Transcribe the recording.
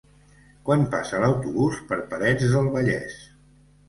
Quan passa l'autobús per Parets del Vallès?